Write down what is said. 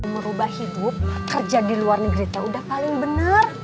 merubah hidup kerja di luar negeri udah paling benar